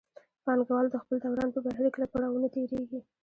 پانګوال د خپل دوران په بهیر کې له پړاوونو تېرېږي